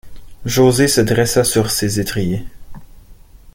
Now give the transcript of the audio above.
José se dressa sur ses étriers